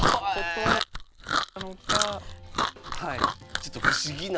ちょっと不思議な。